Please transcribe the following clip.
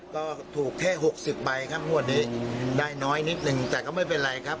ก็ถูกแค่๖๐ใบครับงวดนี้ได้น้อยนิดนึงแต่ก็ไม่เป็นไรครับ